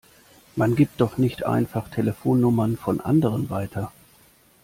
Man gibt doch nicht einfach Telefonnummern von anderen weiter!